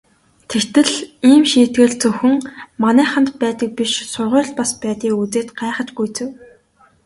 Тэгтэл ийм шийтгэл зөвхөн манайханд байдаг биш сургуульд бас байдгийг үзээд гайхаж гүйцэв.